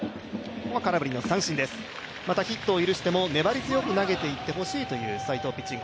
またヒットを許しても、粘り強く投げてほしいと斎藤ピッチング